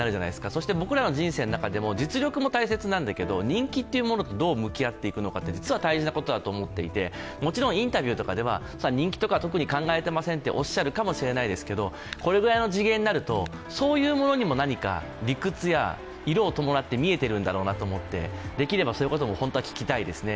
そして僕らの人生の中でも実力も大切なんだけれども、人気というものとどう向き合っていくか実は大事なことだと思っていて、インタビューでは特に人気とか考えていませんとおっしゃるかもしれないけれども、これぐらいの次元になると、そういうものにも何か理屈や色を伴って見えているんだろうなと思ってできればそういうことも本当は聞きたいですね。